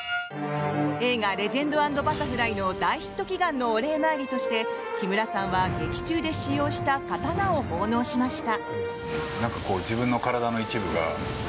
映画「レジェンド＆バタフライ」の大ヒット祈願のお礼参りとして木村さんは劇中で使用した刀を奉納しました。